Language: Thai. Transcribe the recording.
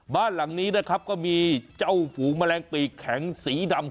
บ้านหลังนี้นะครับก็มีเจ้าฝูงแมลงปีกแข็งสีดำ